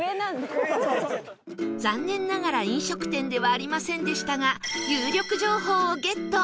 残念ながら飲食店ではありませんでしたが有力情報をゲット！